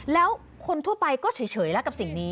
แล้วคนทั่วไปก็เฉยแล้วกับสิ่งนี้